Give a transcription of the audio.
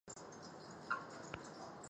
栗背伯劳为伯劳科伯劳属的一种。